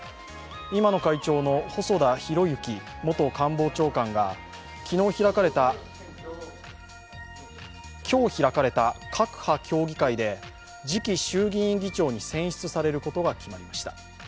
今の会長の細田博之元官房長官が今日開かれた各派協議会で次期衆院議長に選出されることが決まりました。